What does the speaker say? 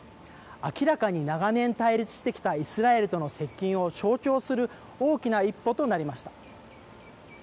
明らかに長年対立してきたイスラエルとの接近を象徴する大きな一歩となりました。